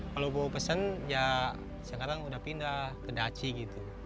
kalau bawa pesen ya sekarang udah pindah ke daci gitu